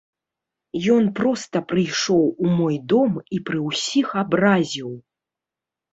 Ён проста прыйшоў у мой дом і пры ўсіх абразіў.